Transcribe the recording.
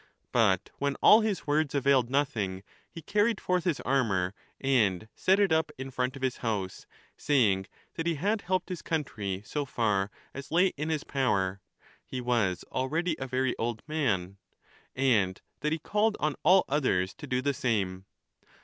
But when all his words availed nothing he carried forth his armour and set it up in front of his house, saying that he had helped his country so far as lay in his power (he was already a very old man), and that he called on all others to do the same.